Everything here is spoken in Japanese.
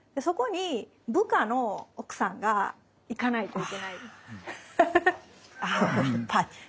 そこに部下の奥さんが行かないといけない。